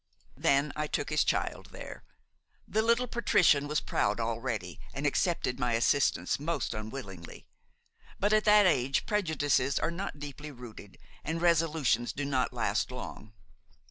Then I took his child there. The little patrician was proud already and accepted my assistance most unwillingly; but at that age prejudices are not deeply rooted and resolutions do not last long.